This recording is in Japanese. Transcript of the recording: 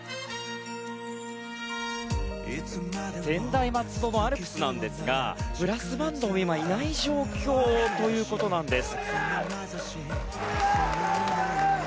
専大松戸のアルプスなんですがブラスバンドが今いない状況ということなんです。